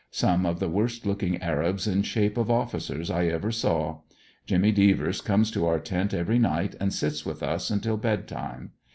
Some of the worst looking Arabs in shape of officers I ever saw. Jimmy Devers comes to our tent every night and sits with us until bed time.